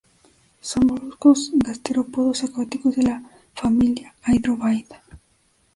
Son moluscos gasterópodos acuáticos de la familia Hydrobiidae.